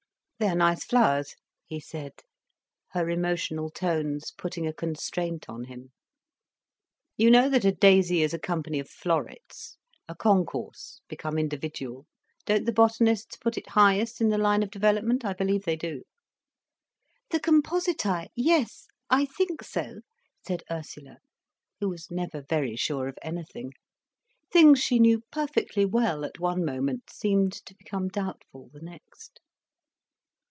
"They are nice flowers," he said, her emotional tones putting a constraint on him. "You know that a daisy is a company of florets, a concourse, become individual. Don't the botanists put it highest in the line of development? I believe they do." "The compositæ, yes, I think so," said Ursula, who was never very sure of anything. Things she knew perfectly well, at one moment, seemed to become doubtful the next.